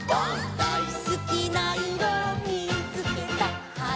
「だいすきないろみつけた」